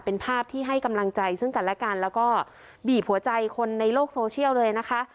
เป็นภาพที่ให้กำลังใจซึ่งกันและกันแล้วก็บีบหัวใจคนในโลกโซเชียลเลยนะคะ